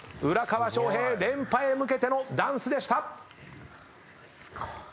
浦川翔平連覇へ向けてのダンスでした。